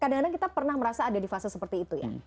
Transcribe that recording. kadang kadang kita pernah merasa ada di fase seperti itu ya